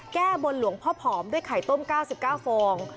แก้บนหลวงพ่อผอมด้วยไข่ต้ม๙๙ฟอง